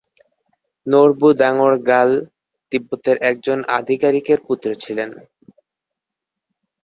নোর-বু-দ্বাং-র্গ্যাল তিব্বতের একজন আধিকারিকের পুত্র ছিলেন।